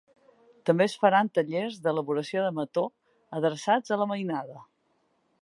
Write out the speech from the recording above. També es faran tallers d’elaboració de mató adreçats a la mainada.